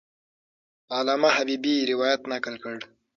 علامه حبیبي روایت نقل کړ.